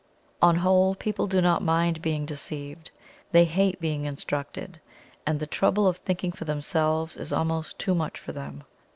On the whole, people do not mind being deceived; they hate being instructed, and the trouble of thinking for themselves is almost too much for them.